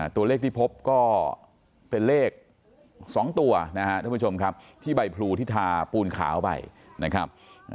ตัวเลขที่พบก็เป็นเลข๒ตัวที่ใบพลูที่ทาปูนขาวไปนะครับ